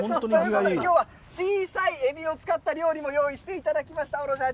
きょうは小さいエビを使った料理も用意していただきました。